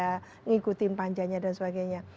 mengikuti panjanya dan sebagainya